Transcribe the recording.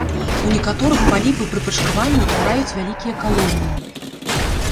У некаторых паліпы пры пачкаванні ўтвараюць вялікія калоніі.